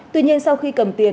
tuy nhiên sau khi cầm tiền